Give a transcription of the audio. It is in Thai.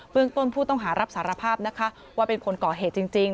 เรื่องต้นผู้ต้องหารับสารภาพนะคะว่าเป็นคนก่อเหตุจริง